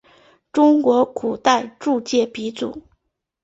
中国古代铸剑鼻祖。